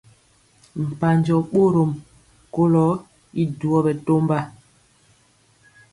Mpanjɔ bɔrɔm kolo y duoi bɛtɔmba.